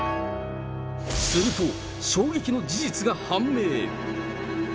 すると、衝撃の事実が判明。